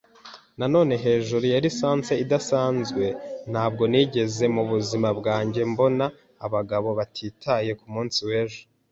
na none hejuru ya lisansi idasanzwe. Ntabwo nigeze mubuzima bwanjye mbona abagabo batitaye kumunsi wejo;